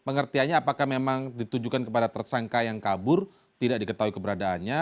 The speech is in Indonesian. pengertiannya apakah memang ditujukan kepada tersangka yang kabur tidak diketahui keberadaannya